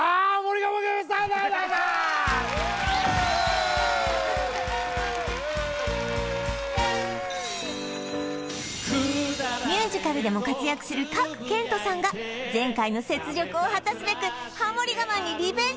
我慢ゲームミュージカルでも活躍する賀来賢人さんが前回の雪辱を果たすべくハモリ我慢にリベンジ